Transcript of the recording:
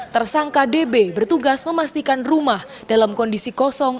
tersangka db bertugas memastikan rumah dalam kondisi kosong